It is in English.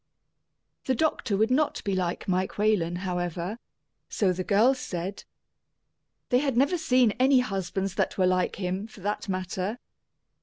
The doctor would not be like Mike Whalen, however so the girls said. They had never seen any husbands that were like him, for that matter.